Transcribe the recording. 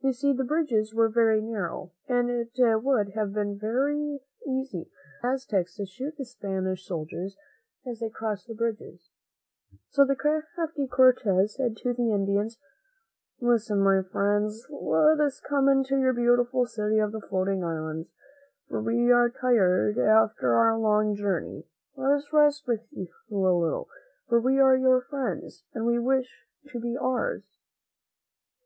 You see the bridges were very narrow, and it would have been very easy for the Aztecs to shoot the Spanish soldiers as they crossed the bridges; so the crafty Cortez said to the Indians, "Listen, my friends; let us come into your beautiful City of the Floating Islands, for we are tired after our long journey. Let us rest with you a little, for we are your friends and we wish you to be ours."